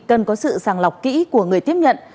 cần có sự sàng lọc kỹ của người tiếp nhận